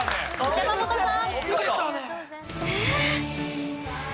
山本さん。